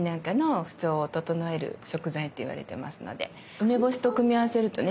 梅干しと組み合わせるとね